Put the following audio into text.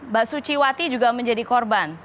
mbak suciwati juga menjadi korban